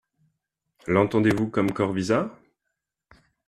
L'entendez-vous comme Corvisart ?